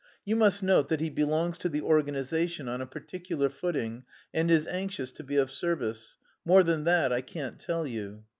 You must note that he belongs to the organisation on a particular footing and is anxious to be of service; more than that I can't tell you.